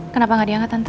kenapa nggak diangkat tante